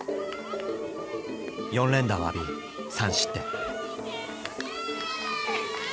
４連打を浴び３失点。